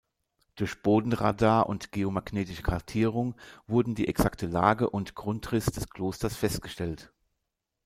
Durch Bodenradar und geomagnetische Kartierung wurden die exakte Lage und Grundriss des Klosters festgestellt.